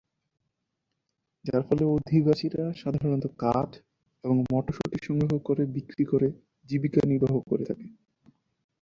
যার ফলে অধিবাসীরা সাধারণত কাঠ এবং মটরশুটি সংগ্রহ করে বিক্রি করে জীবিকা নির্বাহ করে থাকে।